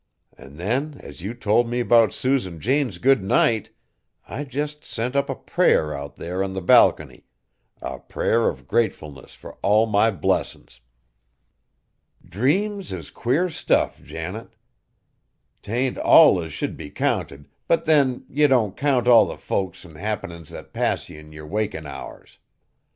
An' then as you told me 'bout Susan Jane's good night, I jest sent up a prayer out there on the balcony, a prayer of gratefulness fur all my blessin's. "Dreams is queer stuff, Janet. 'T ain't all as should be counted; but then, ye don't count all the folks an' happenin's that pass ye in yer wakin' hours.